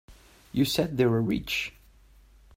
You said they were rich?